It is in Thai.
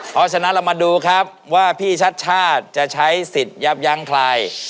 เพราะฉะนั้นเรามาดูครับว่าพี่ชัดชาติจะใช้สิทธิ์ยับยั้งใคร